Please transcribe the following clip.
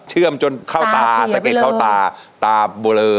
เชื่อมจนเข้าตาสะเก็ดเข้าตาตาเสียไปเริ่ม